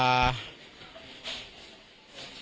กลุ่มวัยรุ่นกลัวว่าจะไม่ได้รับความเป็นธรรมทางด้านคดีจะคืบหน้า